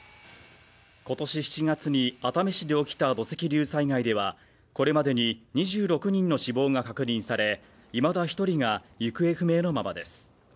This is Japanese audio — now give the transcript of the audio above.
今年７月に熱海市で起きた土石流災害では、これまでに２６人の死亡が確認され、いまだ１人が行方不明のままです。